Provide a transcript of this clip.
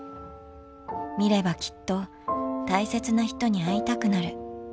見ればきっと大切な人に会いたくなる。